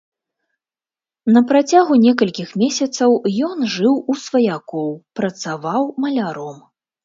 На працягу некалькіх месяцаў ён жыў у сваякоў, працаваў маляром.